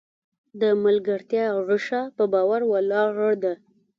د ملګرتیا ریښه په باور ولاړه ده.